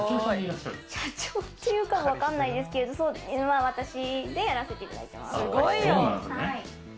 社長っていうかわかんないですけど、私でやらせていただいてます。